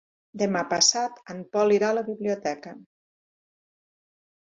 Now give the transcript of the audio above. Demà passat en Pol irà a la biblioteca.